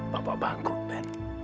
bapak bangkrut ben